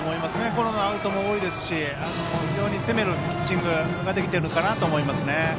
ゴロアウトも多いですし非常に攻めるピッチングができているかなと思いますね。